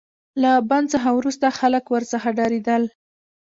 له بند څخه وروسته خلک ورڅخه ډاریدل.